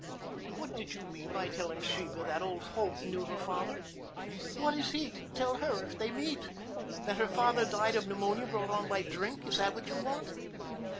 "What did you mean by telling Sheba that old Holt knew her father? What is he to tell her if they meet that her father died of pneumonia brought on by drink? Is that what you want?"